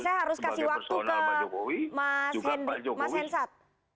saya harus kasih waktu ke mas hensat